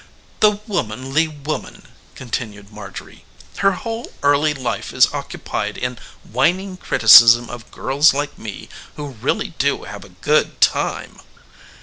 "The womanly woman!" continued Marjorie. "Her whole early life is occupied in whining criticisms of girls like me who really do have a good time."